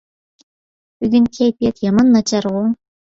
بۈگۈن كەيپىيات يامان ناچارغۇ.